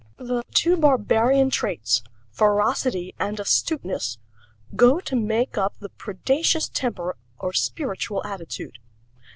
The two barbarian traits, ferocity and astuteness, go to make up the predaceous temper or spiritual attitude.